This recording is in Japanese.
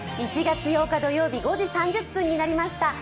１月８日土曜日５時３０分になりました